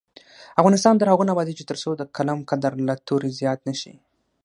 افغانستان تر هغو نه ابادیږي، ترڅو د قلم قدر له تورې زیات نه شي.